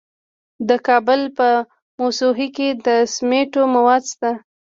د کابل په موسهي کې د سمنټو مواد شته.